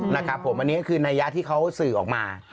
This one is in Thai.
นะครับผมอันนี้ก็คือนัยยะที่เขาสื่อออกมา